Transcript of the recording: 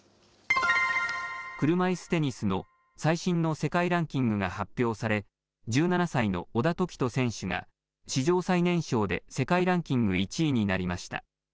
車いすテニスの最新の世界ランキングが発表され、１７歳の小田凱人選手が、史上最年少で世界ランキング１位になりました。